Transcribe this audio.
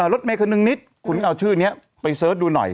รถเมย์คนนึงนิดคุณเอาชื่อนี้ไปเสิร์ชดูหน่อย